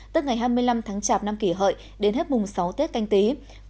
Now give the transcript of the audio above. tức ngày hai mươi năm tháng chạp năm kỷ hợi đến hết mùng sáu tết canh tí